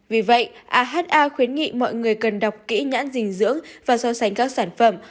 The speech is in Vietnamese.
vì vậy aha khuyến nghị mọi người cần đọc kỹ nhãn dinh dưỡng và so sánh các sản phẩm